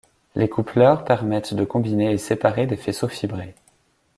Les coupleurs permettent de combiner et séparer des faisceaux fibrés.